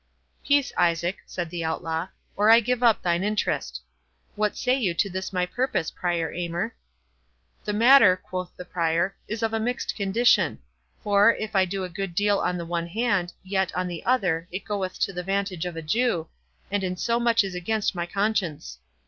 "Peace, Isaac," said the Outlaw, "or I give up thine interest.—What say you to this my purpose, Prior Aymer?" "The matter," quoth the Prior, "is of a mixed condition; for, if I do a good deal on the one hand, yet, on the other, it goeth to the vantage of a Jew, and in so much is against my conscience.